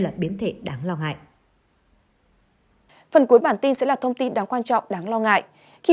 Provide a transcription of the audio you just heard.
là biến thể đáng lo ngại phần cuối bản tin sẽ là thông tin đáng quan trọng đáng lo ngại khi